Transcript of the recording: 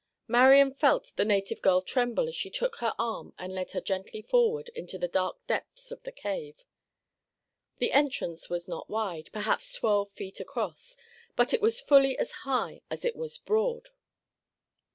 Marian felt the native girl tremble as she took her arm and led her gently forward into the dark depths of the cave. The entrance was not wide, perhaps twelve feet across, but it was fully as high as it was broad.